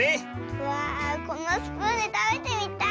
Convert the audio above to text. うわこのスプーンでたべてみたい。